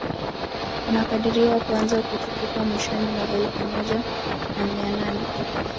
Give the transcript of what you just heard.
unakadiriwa kuanza kutukuka mwishoni mwa elfu moja na mia nane